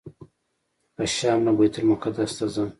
له شام نه بیت المقدس ته ځم.